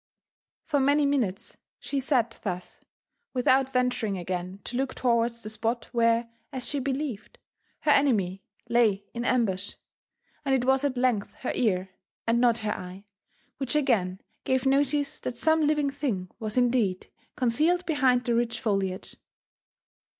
For many minutes she sat thus, without venturing again^ to look towards the spot where, as she believed, her en^my lay in ambush; and it was at length her ear, and not her eye, which again gave notice that some living thing was indeed concealed behind the rich foliage.